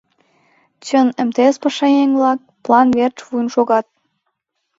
Чын, МТС пашаеҥ-влак план верч вуйын шогат.